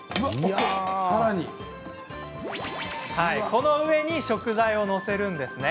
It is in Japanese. この上に食材を載せるんです。